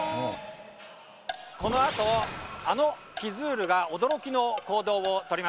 このあとあのキヅールが驚きの行動をとります。